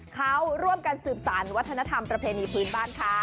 เขาร่วมกันสืบสารวัฒนธรรมประเพณีพื้นบ้านค่ะ